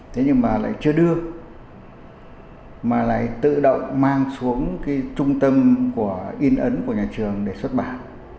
thế nhưng mà lại chưa đưa mà lại tự động mang xuống cái trung tâm của in ấn của nhà trường để xuất bản